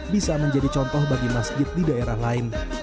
bisa menjadi contoh bagi masjid di daerah lain